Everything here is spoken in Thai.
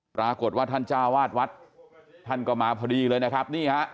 ปรากฏว่าท่านจ้าวาดวัดท่านก็มาพอดีเลยนะครับนี่ฮะ